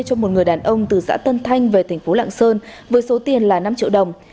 cho một người đàn ông từ xã tân thanh về thành phố lạng sơn với số tiền là năm triệu đồng